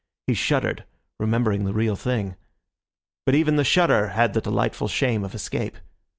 He shuddered, remembering the real thing. But even the shudder had the delightful shame of escape.